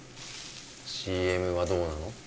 ＣＭはどうなの？